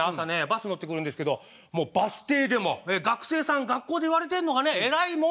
バス乗ってくるんですけどもうバス停でも学生さん学校で言われてんのかね偉いもんですよ。